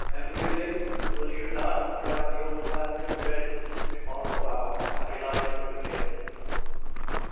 "Everything, will you not?" cried the old man. "Go to bed. To morrow our happy life will begin."